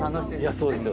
そうですよ